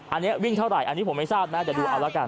อันนี้วิ่งเท่าไหร่อันนี้ผมไม่ทราบนะแต่ดูเอาละกัน